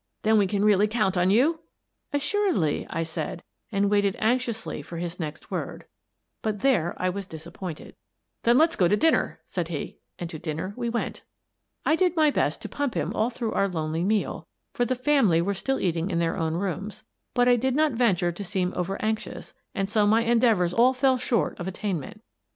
" Then we can really count on you? "" Assuredly," said I, and waited anxiously for his next word. But there I was disappointed. The Woman in the Case 185 " Then let's go to dinner," said he — and to din ner we went. I did my best to pump him all through our lonely meal, — for the family were still eating in their own rooms, — but I did not venture to seem over anxious, and so my endeavours all fell short of at tainment.